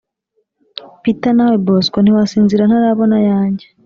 Peter nawe bosco ntiwasinzira ntarabona ayanjye